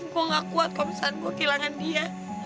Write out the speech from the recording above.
gue gak kuat kalo misalkan gue kehilangan dia